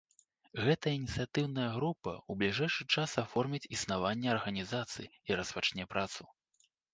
Гэтая ініцыятыўная група ў бліжэйшы час аформіць існаванне арганізацыі і распачне працу.